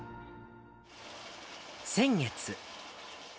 先月。